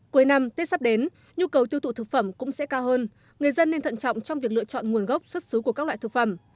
cuối năm tết sắp đến nhu cầu tiêu thụ thực phẩm cũng sẽ cao hơn người dân nên thận trọng trong việc lựa chọn nguồn gốc xuất xứ của các loại thực phẩm